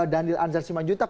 daniel anzar simanjuntak